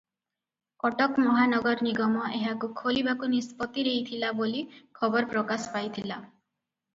କଟକ ମହାନଗର ନିଗମ ଏହାକୁ ଖୋଲିବାକୁ ନିଷ୍ପତ୍ତି ନେଇଥିଲା ବୋଲି ଖବର ପ୍ରକାଶ ପାଇଥିଲା ।